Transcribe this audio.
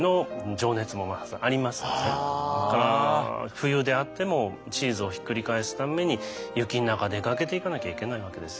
冬であってもチーズをひっくり返すために雪の中出かけていかなきゃいけないわけですよね。